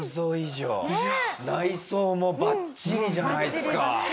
内装もバッチリじゃないですか。